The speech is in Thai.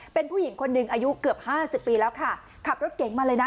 เป็นผู้หญิงคนหนึ่งอายุเกือบห้าสิบปีแล้วค่ะขับรถเก๋งมาเลยนะ